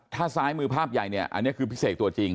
ถ้าซ้ายมือภาพใหญ่เนี่ยอันนี้คือพี่เสกตัวจริง